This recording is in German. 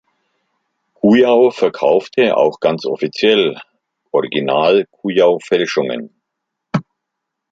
Kujau verkaufte auch ganz offiziell "Original Kujau-Fälschungen".